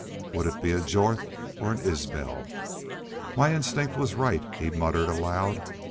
Would it be a Jorth or an Isbel? "My instinct was right," he muttered, aloud.